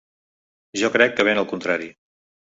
Jo crec que ben al contrari.